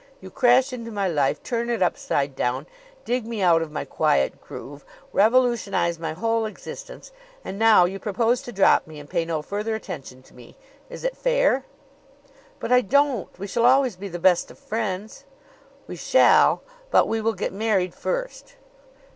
You crash into my life, turn it upside down, dig me out of my quiet groove, revolutionize my whole existence; and now you propose to drop me and pay no further attention to me. Is it fair?" "But I don't. We shall always be the best of friends." "We shall but we will get married first."